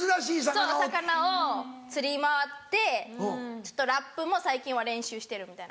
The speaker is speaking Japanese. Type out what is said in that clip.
そう魚を釣り回ってラップも最近は練習してるみたいな。